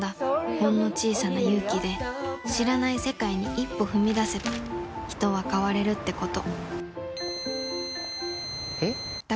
ほんの小さな勇気で知らない世界に一歩踏み出せば人は変われるってことピー！